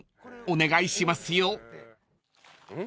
お願いしますよ］